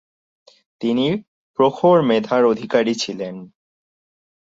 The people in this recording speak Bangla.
তিনি প্রখর মেধার অধিকারী ছিলেন।